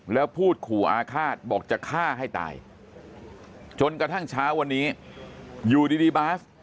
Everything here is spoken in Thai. แล้วพูดขู่อาฆาตบอกจะฆ่าให้ตายจนกระทั่งเช้าวันนี้อยู่ดีบาส